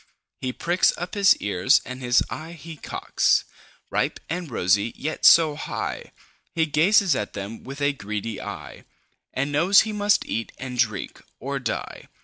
He pricks up his ears, and his eye he cocks. Ripe and rosy, yet so high! He gazes at them with a greedy eye, And knows he must eat and drink or die.